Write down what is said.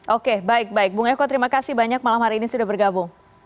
oke baik baik bung eko terima kasih banyak malam hari ini sudah bergabung